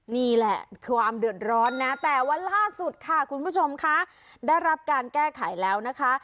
นี่แหละความเดือดร้อนนะแต่ว่าล่าสุดค่ะคุณผู้ชมคะได้รับการแก้ไขแล้วนะคะ